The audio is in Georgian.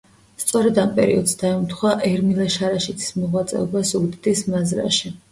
სწორედ ამ პერიოდს დაემთხვა ერმილე შარაშიძის მოღვაწეობა ზუგდიდის მაზრაში.